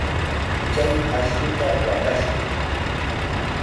Chay ashnuta watashun.